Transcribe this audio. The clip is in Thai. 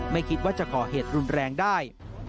ไม่คิดว่าจะก่อเหตุรุนแรงได้